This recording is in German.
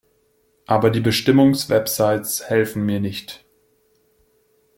Aber die Bestimmungswebsites helfen mir nicht.